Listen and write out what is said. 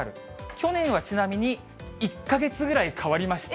去年はちなみに、１か月ぐらい変わりました。